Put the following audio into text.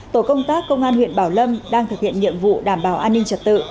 tổ công tác công an huyện bảo lâm đang thực hiện nhiệm vụ đảm bảo an ninh trật tự